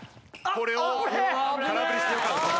これは空振りしてよかった形です。